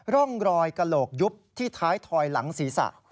ร่องรอยกระโหลกยุบที่ท้ายถอยหลังศีรษะ